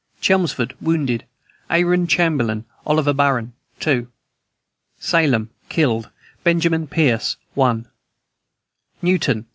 CHELMSFORD. Wounded: Aaron Chamberlain, Oliver Barron, 2. SALEM. Killed: Benjamin Pierce, 1. NEWTON.